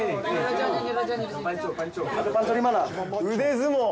腕相撲！？